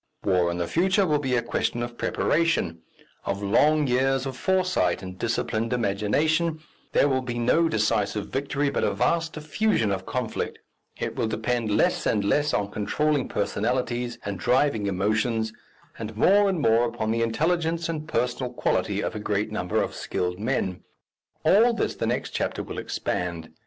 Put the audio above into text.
War in the future will be a question of preparation, of long years of foresight and disciplined imagination, there will be no decisive victory, but a vast diffusion of conflict it will depend less and less on controlling personalities and driving emotions, and more and more upon the intelligence and personal quality of a great number of skilled men. All this the next chapter will expand.